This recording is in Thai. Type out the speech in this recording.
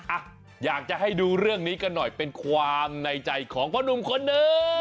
อ่ะอยากจะให้ดูเรื่องนี้กันหน่อยเป็นความในใจของพ่อหนุ่มคนหนึ่ง